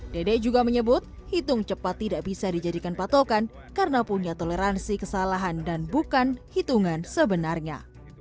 dede juga menyebut hitung cepat tidak bisa dijadikan patokan karena punya toleransi kesalahan dan bukan hitungan sebenarnya